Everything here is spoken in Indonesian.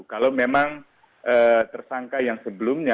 kalau memang tersangka yang sebelumnya